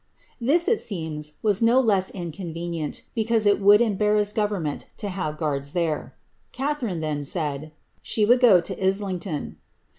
^^' This, it seems, was no less inconvenient, because it would embarrass government to have guards there. Catharine then said '^ she would go to Islington.